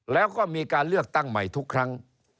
แล้วก็มีการเลือกตั้งใหม่ทุกครั้ง